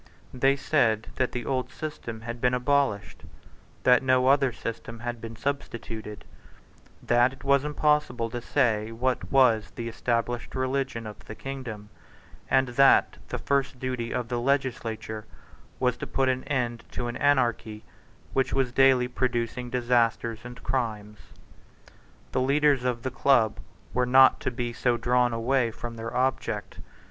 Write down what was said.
They said that the old system had been abolished; that no other system had been substituted; that it was impossible to say what was the established religion of the kingdom; and that the first duty of the legislature was to put an end to an anarchy which was daily producing disasters and crimes. The leaders of the Club were not to be so drawn away from their object.